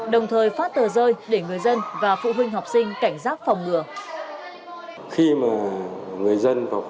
đồng thời phát tờ rơi để người dân và phụ huynh học sinh cảnh giác phòng ngừa